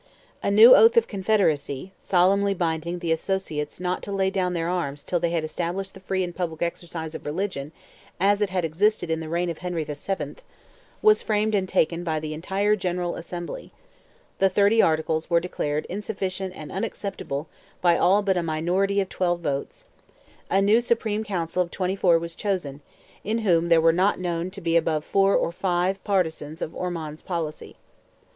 A new oath of Confederacy, solemnly binding the associates not to lay down their arms till they had established the free and public exercise of religion as it had existed in the reign of Henry VII., was framed and taken by the entire General Assembly; the Thirty Articles were declared insufficient and unacceptable by all but a minority of twelve votes; a new Supreme Council of twenty four was chosen, in whom there were not known to be above four or five partisans of Ormond's policy.